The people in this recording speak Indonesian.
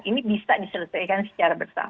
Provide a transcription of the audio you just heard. ini bisa diselesaikan secara bersama